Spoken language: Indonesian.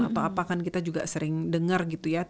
atau apa kan kita juga sering dengar